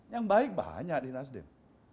yang baik banyak di nasdem